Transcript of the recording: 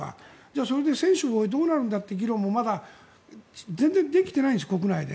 それで専守防衛どうなるんだという議論もまだ全然できてないんです国内で。